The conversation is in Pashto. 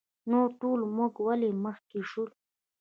نور تر موږ ولې مخکې شول؟